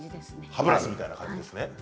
歯ブラシみたいな感じですね。